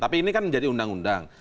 tapi ini kan menjadi undang undang